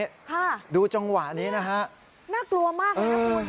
ค่ะดูจังหวัดนี้นะฮะอื้อน่ากลัวมากนะครับคุณ